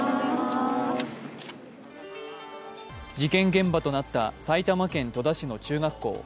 事件現場となった埼玉県戸田市の中学校。